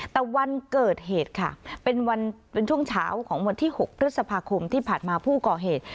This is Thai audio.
แต่วันเกิดเหตุค่ะเป็นวันเป็นช่วงเช้าของวันที่๖พฤษภาคมที่ผ่านมาผู้ก่อเหตุ